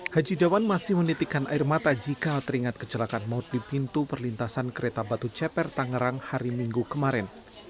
haji dawan masih menitikan air mata jika teringat kecelakaan maut di pintu perlintasan kereta batu ceper tangerang hari minggu kemarin